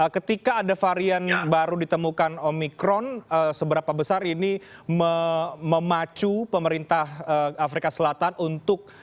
ketika ada varian baru ditemukan omikron seberapa besar ini memacu pemerintah afrika selatan untuk